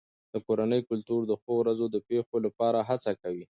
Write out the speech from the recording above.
د کورنۍ کلتور د ښو ورځو د پیښو لپاره هڅه کوي.